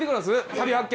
「旅！発見」